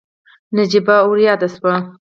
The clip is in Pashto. نجيبه ورياده شوه.